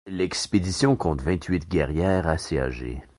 L'expédition compte vingt-huit guerrières assez âgées.